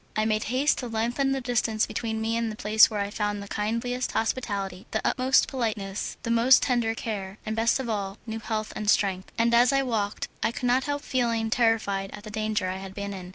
I made haste to lengthen the distance between me and the place where I had found the kindliest hospitality, the utmost politeness, the most tender care, and best of all, new health and strength, and as I walked I could not help feeling terrified at the danger I had been in.